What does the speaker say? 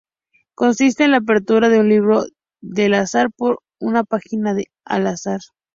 Consiste en la apertura de un libro al azar por una página al azar.